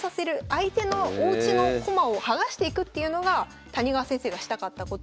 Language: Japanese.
相手のおうちの駒を剥がしていくっていうのが谷川先生がしたかったことで。